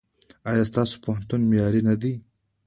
ایا ستاسو پوهنتون معیاري نه دی؟